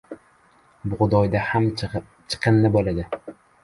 • Bug‘doyda ham chiqindi bo‘ladi.